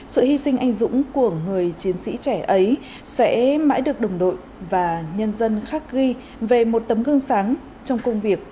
sự hy sinh anh dũng của người chiến sĩ trẻ ấy sẽ mãi được đồng đội và nhân dân khắc ghi về một tấm gương sáng trong công việc